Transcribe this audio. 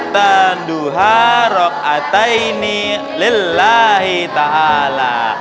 asalan duha rok'ataini lillahi ta'ala